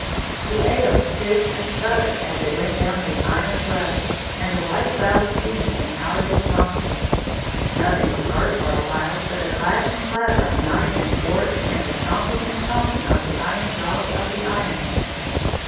The ale hissed and sputtered as it went down his iron throat, and a white cloud of steam came out of his nostrils. Nothing was heard for a while but the clash and clatter of knife and fork and the champing and champing of the iron jaws of the Iron Man.